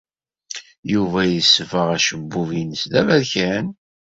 Yuba yesbeɣ acebbub-nnes d aberkan.